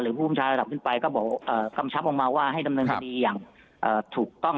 ภูมิชาระดับขึ้นไปก็บอกกำชับออกมาว่าให้ดำเนินคดีอย่างถูกต้อง